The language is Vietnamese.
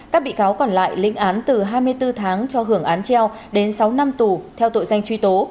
các bị cáo còn lại lĩnh án từ hai mươi bốn tháng cho hưởng án treo đến sáu năm tù theo tội danh truy tố